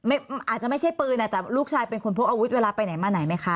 อาจจะไม่ใช่ปืนอ่ะแต่ลูกชายเป็นคนพกอาวุธเวลาไปไหนมาไหนไหมคะ